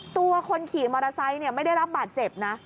ตัวคนขี่มอเตอร์ไซค์ไม่ได้รับบาดเจ็บนะ